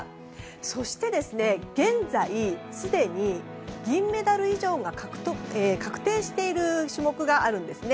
そして、現在すでに銀メダル以上が確定している種目があるんですね。